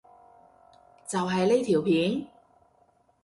就係呢條片？